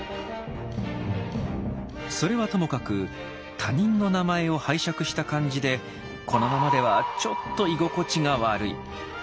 それはともかく他人の名前を拝借した感じでこのままではちょっと居心地が悪い。